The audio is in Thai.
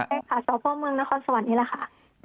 ใช่ค่ะสพเมืองนครสวรรค์นี่แหละค่ะ